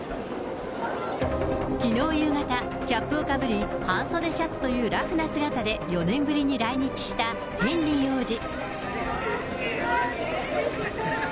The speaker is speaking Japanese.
きのう夕方、キャップをかぶり、半袖シャツというラフな姿で４年ぶりに来日したヘンリー王子。